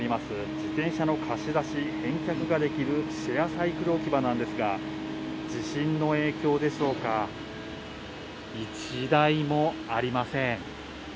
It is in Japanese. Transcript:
自転車の貸出、返却ができるシェアサイクル置き場なんですが、地震の影響でしょうか、１台もありません。